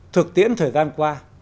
thực tiễn thời gian qua